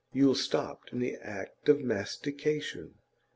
Yule stopped in the act of mastication.